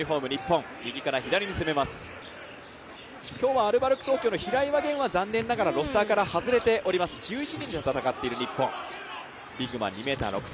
今日はアルバルク東京の平岩玄はロスターからはズレております、１１人で戦っております日本。